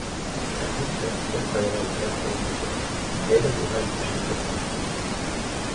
Әлбиттә, бер ҡайҙа ла идеаль күренеш юҡ, ниндәй ҙә булһа етешһеҙлек бар.